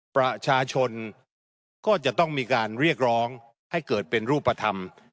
ประชาชนก็จะต้องมีการเรียกร้องให้เกิดเป็นรูปธรรม